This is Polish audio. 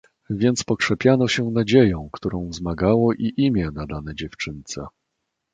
"Więc pokrzepiano się nadzieją, którą wzmagało i imię nadane dziewczynce."